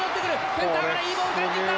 センターからいいボール返ってきた！